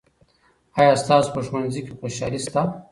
آیا ستاسو په ښوونځي کې خوشالي سته؟